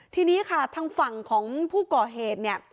ทีนี้ค่ะทางฝั่งของผู้ก่อเหตุเนี่ย